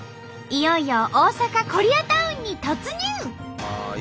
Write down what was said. いよいよ大阪コリアタウンに突入！